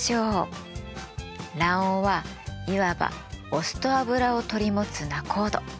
卵黄はいわばお酢と油を取り持つ仲人。